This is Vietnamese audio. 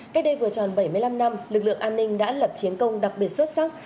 cách đây vừa tròn bảy mươi năm năm lực lượng an ninh đã lập chiến công đặc biệt xuất sắc